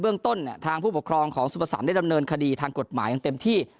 เรื่องต้นเนี่ยทางผู้ปกครองของสุปสรรคได้ดำเนินคดีทางกฎหมายอย่างเต็มที่